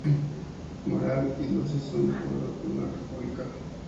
Moral y luces son los polos de una República".